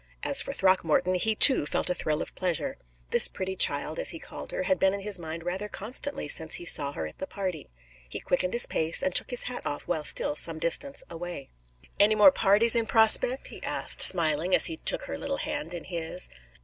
As for Throckmorton, he too felt a thrill of pleasure. This pretty child, as he called her, had been in his mind rather constantly since he saw her at the party. He quickened his pace, and took his hat off while still some distance away. "Any more parties in prospect?" he asked, smiling, as he took her little hand in his.